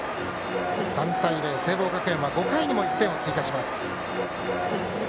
３対０、聖望学園は５回にも１点を追加します。